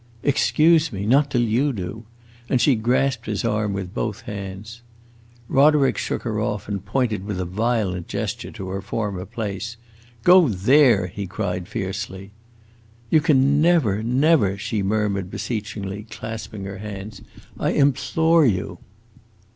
"Excuse me. Not till you do!" And she grasped his arm with both hands. Roderick shook her off and pointed with a violent gesture to her former place. "Go there!" he cried fiercely. "You can never, never!" she murmured beseechingly, clasping her hands. "I implore you!"